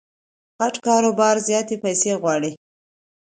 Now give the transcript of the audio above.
غټ کاروبار زیاتي پیسې غواړي.